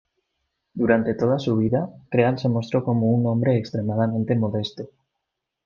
Durante toda su vida, Crean se mostró como un hombre extremadamente modesto.